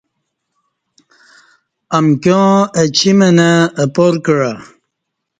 امکیاں اہ چی منہ اپار کعہ